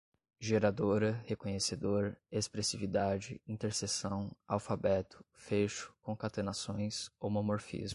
geradora, reconhecedor, expressividade, interseção, alfabeto, fecho, concatenações, homomorfismo